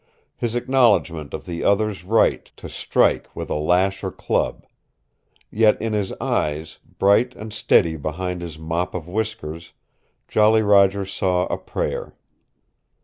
His acknowledgment of the other's right to strike with lash or club. Yet in his eyes, bright and steady behind his mop of whiskers, Jolly Roger saw a prayer.